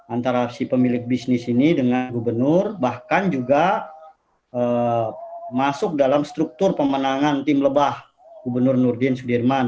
antara si pemilik bisnis ini dengan gubernur bahkan juga masuk dalam struktur pemenangan tim lebah gubernur nurdin sudirman